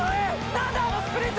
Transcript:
何だあのスプリント！！